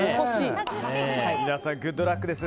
皆さんグッドラックです。